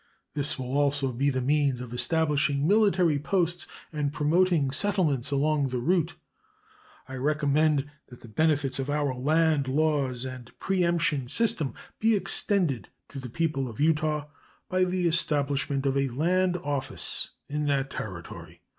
This will also be the means of establishing military posts and promoting settlements along the route. I recommend that the benefits of our land laws and preemption system be extended to the people of Utah by the establishment of a land office in that Territory.